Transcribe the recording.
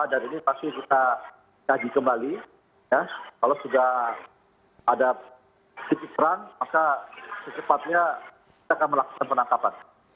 dan ini pasti kita kaji kembali ya kalau sudah ada sisi perang maka secepatnya kita akan melakukan penangkapan